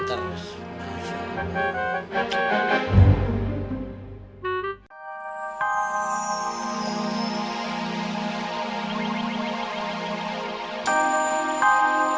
terus maaf ya